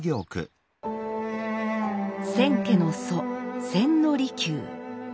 千家の祖千利休。